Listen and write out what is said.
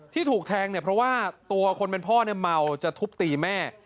ที่ถูกแทงเนี่ยเพราะว่าตัวคนเป็นพ่อเนี่ยเมาจะทุบตีแม่